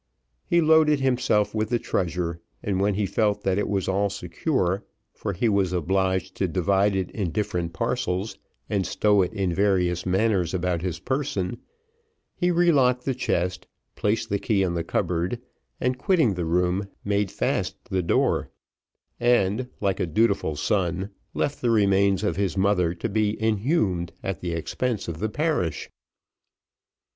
He loaded himself with the treasure, and when he felt that it was all secure, for he was obliged to divide it in different parcels and stow it in various manners about his person, he relocked the chest, placed the key in the cupboard, and quitting the room made fast the door, and like a dutiful son, left the remains of his mother to be inhumed at the expense of the parish.